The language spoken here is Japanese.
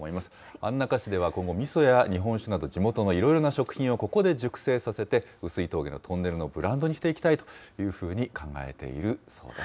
安中市では今後、みそや日本酒など、地元のいろいろな食品をここで熟成させて、碓氷峠のトンネルのブランドにしていきたいと考えているそうです。